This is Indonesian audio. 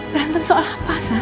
berantem soal apa sah